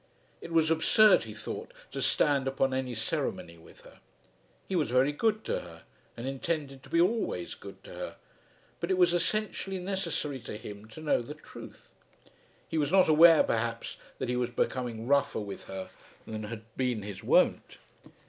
It was absurd he thought to stand upon any ceremony with her. He was very good to her, and intended to be always good to her, but it was essentially necessary to him to know the truth. He was not aware, perhaps, that he was becoming rougher with her than had been his wont.